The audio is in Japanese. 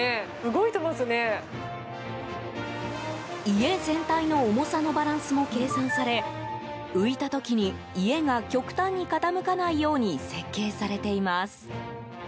家全体の重さのバランスも計算され浮いた時に家が極端に傾かないように設計されています。